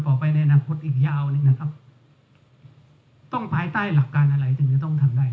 ในอนาคตอีกยาวหนึ่งนะครับต้องภายใต้หลักการอะไรถึงจะต้องทำได้